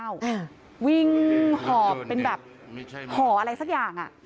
วิ่งหอบเป็นแบบหออะไรสักอย่าง